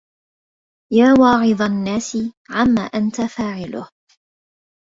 يا واعظ الناس عما أنت فاعله